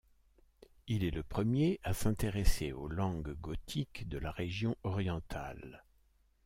Il est le premier à s’intéresser aux langues gothiques de la région orientale.